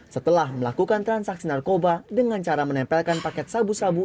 setelah melakukan transaksi narkoba dengan cara menempelkan paket sabu sabu